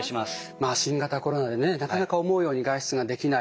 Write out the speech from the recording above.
まあ新型コロナでねなかなか思うように外出ができない。